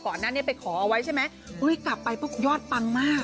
นั้นเนี่ยไปขอเอาไว้ใช่ไหมอุ้ยกลับไปปุ๊บยอดปังมาก